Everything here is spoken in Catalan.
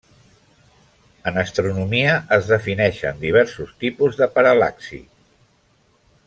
En astronomia es defineixen diversos tipus de paral·laxi.